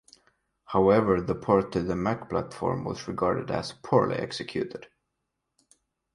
However the port to the Mac platform was regarded as poorly executed.